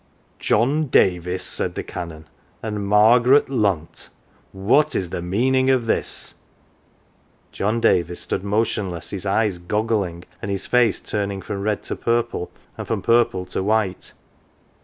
" John Davis," said the Canon, " and Margaret Lunt, what is the meaning of this ?" John Davis stood motionless, his eyes goggling, and his face turning from red to purple and from purple to white.